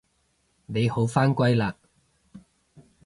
你好返歸喇